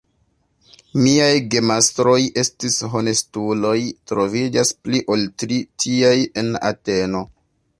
Miaj gemastroj estis honestuloj; troviĝas pli ol tri tiaj en Ateno.